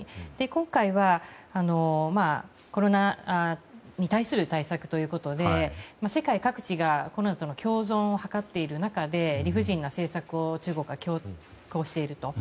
今回はコロナに対する対策ということで世界各地がコロナとの共存を図っている中で理不尽な政策を中国が強行していると。